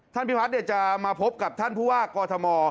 พิพัฒน์จะมาพบกับท่านผู้ว่ากอทม